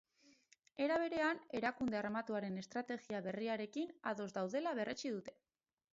Era berean, erakunde armatuaren estrategia berriarekin ados daudela berretsi dute.